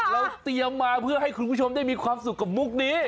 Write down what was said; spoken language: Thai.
เราเตรียมมาเพื่อให้คุณผู้ชมได้มีความสุขกับมุกนี้